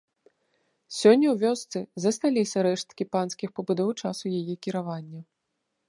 Сёння ў вёсцы засталіся рэшткі панскіх пабудоў часу яе кіравання.